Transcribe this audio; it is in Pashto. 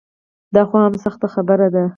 دا خو هم سخته خبره ده.